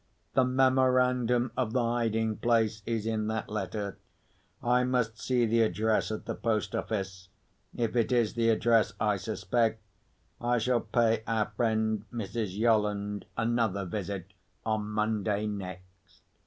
The memorandum of the hiding place is in that letter. I must see the address at the post office. If it is the address I suspect, I shall pay our friend, Mrs. Yolland, another visit on Monday next."